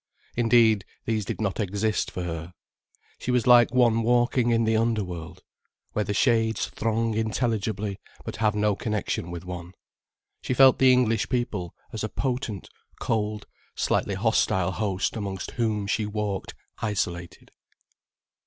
Indeed, these did not exist for her. She was like one walking in the Underworld, where the shades throng intelligibly but have no connection with one. She felt the English people as a potent, cold, slightly hostile host amongst whom she walked isolated.